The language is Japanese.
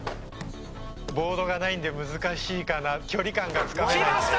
ボードがないんで難しいかな距離感がつかめないんできました！